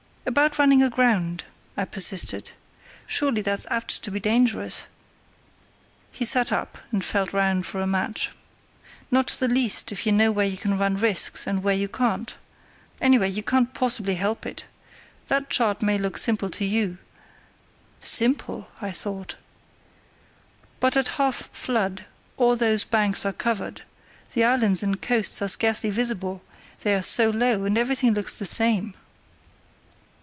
"About running aground," I persisted; "surely that's apt to be dangerous?" He sat up and felt round for a match. "Not the least, if you know where you can run risks and where you can't; anyway, you can't possibly help it. That chart may look simple to you"—("simple!" I thought)—"but at half flood all those banks are covered; the islands and coasts are scarcely visible, they are so low, and everything looks the same."